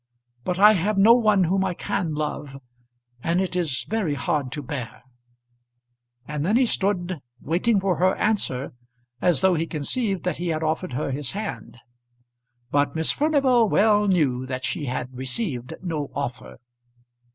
But I have no one whom I can love; and it is very hard to bear." And then he stood, waiting for her answer, as though he conceived that he had offered her his hand. But Miss Furnival well knew that she had received no offer.